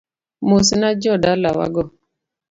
Mosna jo dalawago.